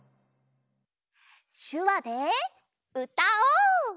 しゅわでうたおう！